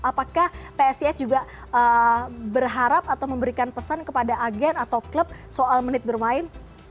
apakah psis juga berharap atau memberikan pesan kepada agen atau klub soal menit bermain